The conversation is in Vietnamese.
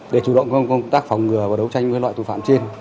để chủ động công tác phòng ngừa và đấu tranh với loại tội phạm trên